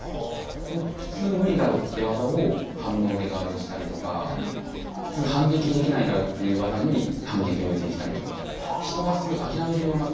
普通無理だろうって技を反応でガードしたりとか普通反撃できないだろうっていう技に反撃を入れてきたりとか。